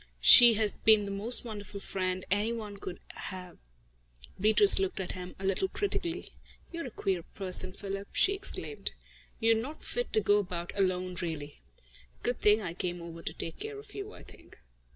She has been the most wonderful friend any one could have." Beatrice looked at him a little critically. "You're a queer person, Philip," she exclaimed. "You're not fit to go about alone, really. Good thing I came over to take care of you, I think."